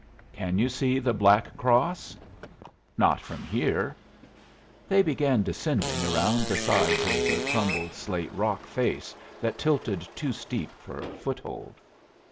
"Can you see the Black Cross?" "Not from here." They began descending around the sides of the crumbled slate rock face that tilted too steep for foothold.